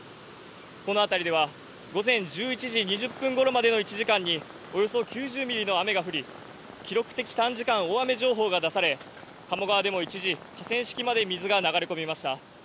この辺りでは午前１１時２０分ごろまでの１時間に、およそ９０ミリの雨が降り、記録的短時間大雨情報が出され、鴨川でも一時、河川敷まで水が流れ込みました。